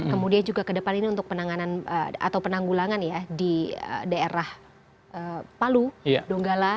kemudian juga ke depan ini untuk penanganan atau penanggulangan ya di daerah palu donggala